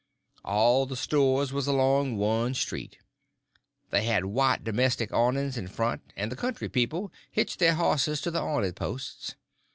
All the stores was along one street. They had white domestic awnings in front, and the country people hitched their horses to the awning posts.